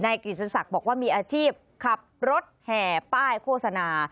กิจสศักดิ์บอกว่ามีอาชีพขับรถแห่ป้ายโฆษณา